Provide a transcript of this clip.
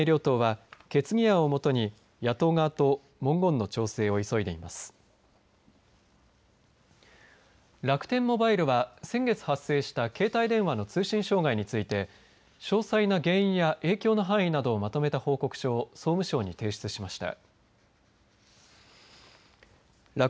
国連加盟国に対し楽天モバイルは先月発生した携帯電話の通信障害について詳細な原因や影響の範囲などをまとめた報告書を総務省に提出しました。